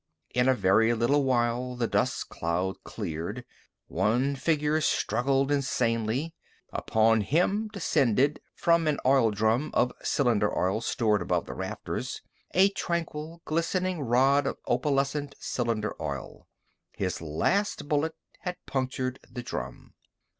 In a very little while the dust cloud cleared. One figure struggled insanely. Upon him descended from an oil drum of cylinder oil stored above the rafters a tranquil, glistening rod of opalescent cylinder oil. His last bullet had punctured the drum.